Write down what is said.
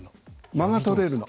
間が取れるの。